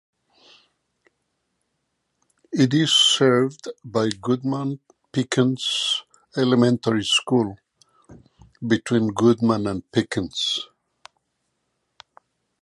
It is served by Goodman-Pickens Elementary School, between Goodman and Pickens.